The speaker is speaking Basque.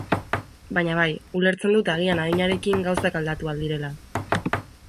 Baina bai, ulertzen dut agian adinarekin gauzak aldatu ahal direla.